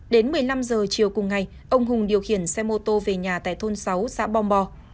đến một mươi năm h chiều cùng ngày ông hùng điều khiển xe mô tô về nhà tại thôn sáu xã bom bò